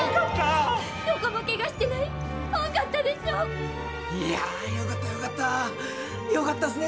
よかった！